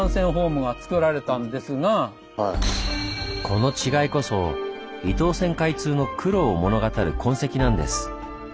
この違いこそ伊東線開通の苦労を物語る痕跡なんです。